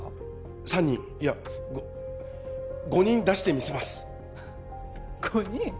３人いや５人出してみせます５人？